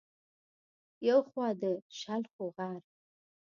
يو خوا د شلخو غر